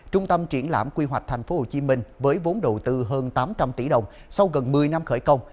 trung tâm triển lãm quy hoạch tp hcm với vốn đầu tư hơn tám trăm linh tỷ đồng sau gần một mươi năm khởi công